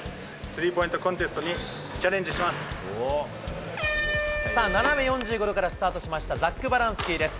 スリーポイントコンテストにチャさあ、斜め４５度からスタートしました、ザックバランスキーです。